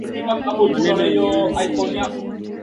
Maeneo yenye inzi wengi